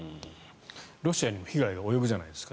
ロシアにも被害が及ぶじゃないですか。